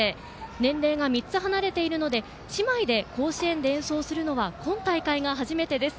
年齢が３つ離れているので姉妹で甲子園で演奏するのは今大会が初めてです。